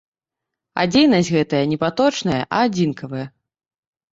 А дзейнасць гэтая не паточная, а адзінкавая.